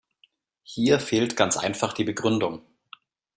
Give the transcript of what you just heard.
Hier fehlt ganz einfach die Begründung.